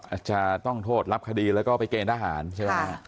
อาจจะต้องโทษรับคดีแล้วก็ไปเกณฑหารใช่ไหม